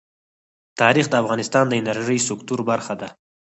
تاریخ د افغانستان د انرژۍ سکتور برخه ده.